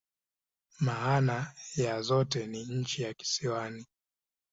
Maana ya zote ni "nchi ya kisiwani.